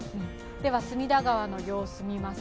隅田川の様子を見ます。